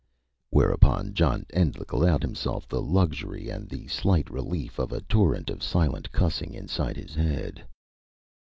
Whereupon John Endlich allowed himself the luxury and the slight relief of a torrent of silent cussing inside his head.